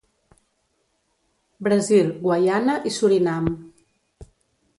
Brasil, Guaiana i Surinam.